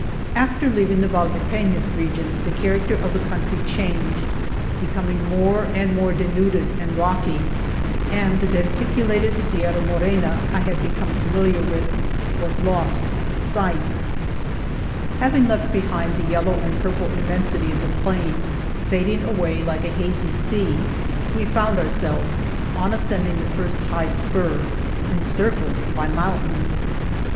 After leaving the Valdepenas region the character of the country changed, becoming more and more denuded and rocky, and the denticu lated Sierra Morena I had become familiar with was lost to sight. • '"J L'. T" 179 The Morena Having left behind the yellow and purple immensity of the plain, fading away like a hazy sea, we found ourselves, on ascending the first high spur, encircled by mountains.